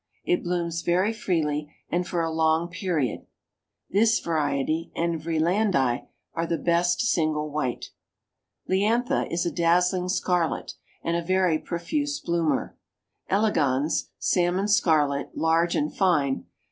It blooms very freely and for a long period. This variety and Vreelandii are the best single white. Liantha is a dazzling scarlet, and a very profuse bloomer. Elegans, salmon scarlet; large and fine.